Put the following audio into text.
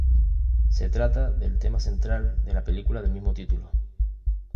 Se trata del tema central de la película del mismo título.